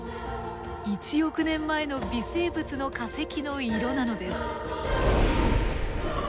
１億年前の微生物の化石の色なのです。